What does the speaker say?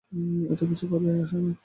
এতে কিছু যায় আসে না।